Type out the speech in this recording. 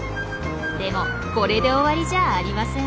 でもこれで終わりじゃありません。